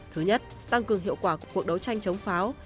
thứ nhất tăng cường hiệu quả của cuộc đấu tranh chống pháo